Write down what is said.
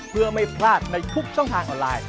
เพื่อไม่พลาดในทุกช่องทางออนไลน์